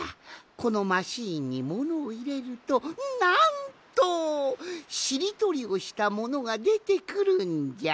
このマシーンにものをいれるとなんとしりとりをしたものがでてくるんじゃ。